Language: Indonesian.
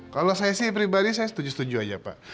kalau saya sih pribadi saya setuju setuju aja pak